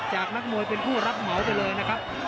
นักมวยเป็นผู้รับเหมาไปเลยนะครับ